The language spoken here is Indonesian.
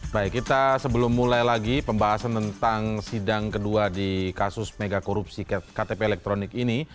baik kita sebelum mulai lagi pembahasan tentang sidang kedua di kasus megakorupsi ktp elektronik ini